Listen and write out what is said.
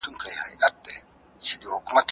زه کولی شم د وټساپ له لارې معلومات شریک کړم.